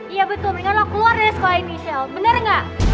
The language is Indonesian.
iya betul mendingan lo keluar dari sekolah ini bener gak